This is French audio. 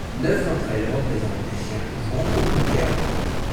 Neuf d'entre elles représentent des chiens jouant au poker.